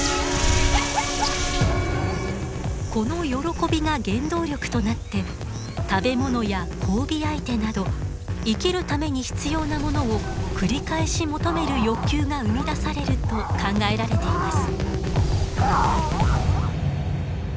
この喜びが原動力となって食べ物や交尾相手など生きるために必要なものを繰り返し求める欲求が生み出されると考えられています。